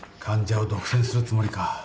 患者を独占するつもりか。